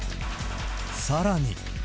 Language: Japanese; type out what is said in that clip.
さらに。